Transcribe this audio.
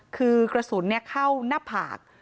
คือกระสุนเข้าหน้าผาก